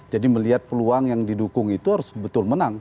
jadi melihat peluang yang didukung itu harus betul menang